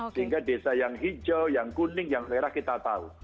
sehingga desa yang hijau yang kuning yang merah kita tahu